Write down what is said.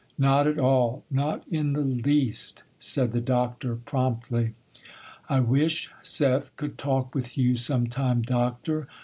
'Not at all,—not in the least,' said the Doctor, promptly. 'I wish Seth could talk with you some time, Doctor.